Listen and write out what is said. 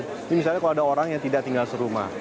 ini misalnya kalau ada orang yang tidak tinggal serumah